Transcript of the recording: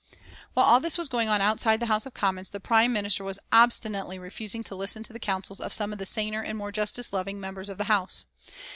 While all this was going on outside the House of Commons, the Prime Minister was obstinately refusing to listen to the counsels of some of the saner and more justice loving members of the House.